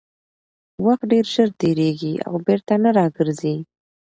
وخت ډېر ژر تېرېږي او بېرته نه راګرځي